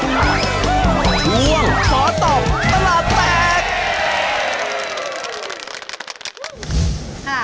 ช่วงขอตอบตลาดแตก